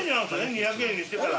２００円にしてから。